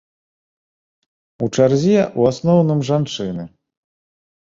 У чарзе ў асноўным жанчыны.